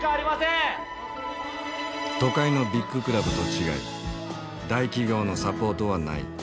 都会のビッグクラブと違い大企業のサポートはない。